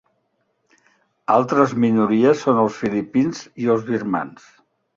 Altres minories són els filipins i els birmans.